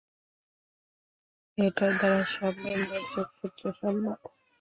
এটার দ্বারা সব বিন্দুর যোগসূত্র সম্ভব।